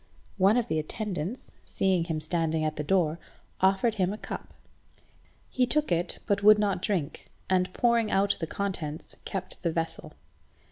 One of the attendants, seeing him standing at the door, offered him a cup. He took it, but would not drink, and pouring out the contents, kept the vessel.